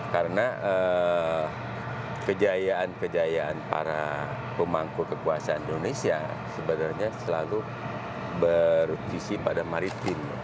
karena kejayaan kejayaan para pemangku kekuasaan indonesia sebenarnya selalu bergisi pada maritim